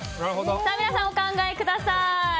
皆さん、お考えください。